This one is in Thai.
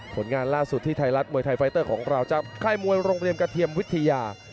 ผลงานล่าสุดที่ไทยรัฐมวยไทยไฟเตอร์ของเราจากค่ายมวยโรงเรียนกระเทียมวิทยา